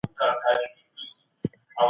منظم ژوند ولرئ.